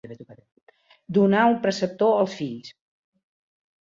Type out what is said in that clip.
Donar un preceptor als fills.